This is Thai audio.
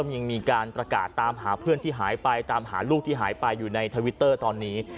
ยังมีการประกาศตามหาเพื่อนที่หายไปตามหาลูกที่หายไปอยู่ในทวิตเตอร์ตอนนี้